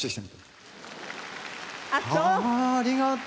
ありがとう。